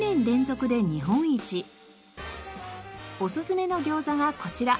おすすめの餃子がこちら。